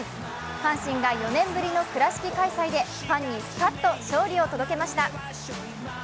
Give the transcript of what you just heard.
阪神が４年ぶりの倉敷開催で、ファンにスカッと勝利を届けました。